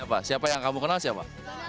apa siapa yang kamu kenal siapa